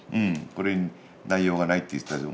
これに「内容がない」って言う人たちも。